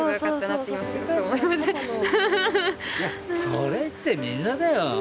それってみんなだよ。